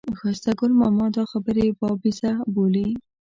ښایسته ګل ماما دا خبرې بابیزه بولي.